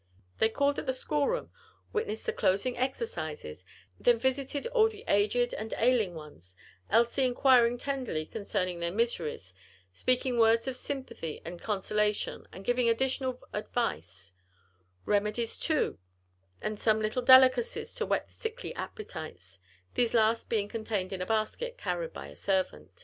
They called at the school room, witnessed the closing exercises, then visited all the aged and ailing ones, Elsie inquiring tenderly concerning their "miseries," speaking words of sympathy and consolation and giving additional advice; remedies too, and some little delicacies to whet the sickly appetites (these last being contained in a basket, carried by a servant).